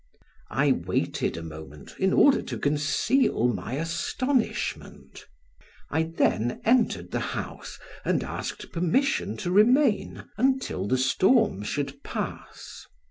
I waited a moment, in order to conceal my astonishment. I then entered the house and asked permission to remain until the storm should pass.